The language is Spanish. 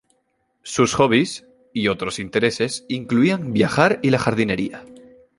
Sus hobbies y otros intereses incluían viajar y la jardinería.